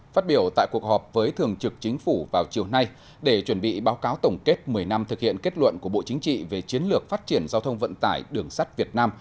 phát biểu tại cuộc họp với thường trực chính phủ vào chiều nay để chuẩn bị báo cáo tổng kết một mươi năm thực hiện kết luận của bộ chính trị về chiến lược phát triển giao thông vận tải đường sắt việt nam